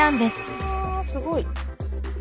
うわすごい。